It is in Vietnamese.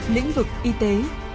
lĩnh vực y tế